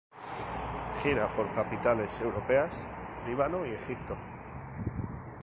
Gira por capitales europeas, Líbano, y Egipto.